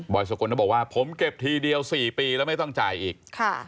สกลก็บอกว่าผมเก็บทีเดียว๔ปีแล้วไม่ต้องจ่ายอีก